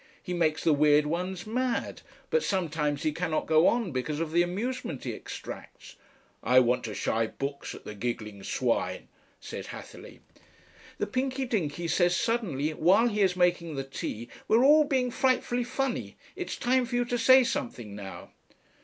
He makes the weird ones mad. But sometimes he cannot go on because of the amusement he extracts." "I want to shy books at the giggling swine," said Hatherleigh. "The Pinky Dinky says suddenly while he is making the tea, 'We're all being frightfully funny. It's time for you to say something now.'"